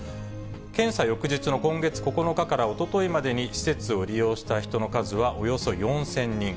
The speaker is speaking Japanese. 検査翌日の今月９日からおとといまでに施設を利用した人の数はおよそ４０００人。